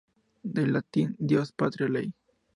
Del latín "Dios, Patria, Ley".